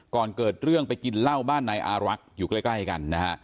ก่อนเกิดเรื่องไปกินเหล้าบ้านนายอารักษ์อยู่ใกล้กันนะฮะ